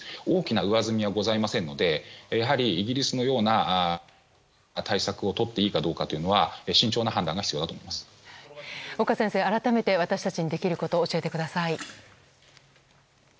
大きな上積みはございませんのでやはりイギリスのような対策をとっていいかどうかというのは岡先生、改めて私たちにできることを教えてください。